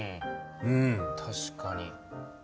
うん確かに。